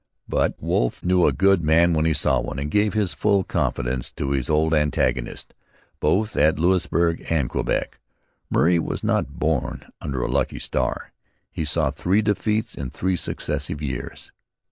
But Wolfe knew a good man when he saw one and gave his full confidence to his 'old antagonist' both at Louisbourg and Quebec. Murray was not born under a lucky star. He saw three defeats in three successive wars.